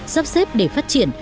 sắp xếp để phát triển